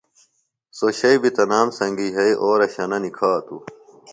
سوۡ شئیۡ بیۡ تنام سنگیۡ یھئی اورہ شنہ نِکھاتوۡ